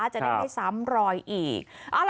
จะได้ให้สำรอยอีก